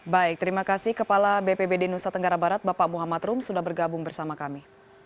baik terima kasih kepala bpbd nusa tenggara barat bapak muhammad rum sudah bergabung bersama kami